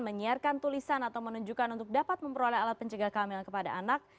menyiarkan tulisan atau menunjukkan untuk dapat memperoleh alat pencegah kehamilan kepada anak